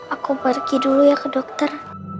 aku pergi dulu ya ke dokter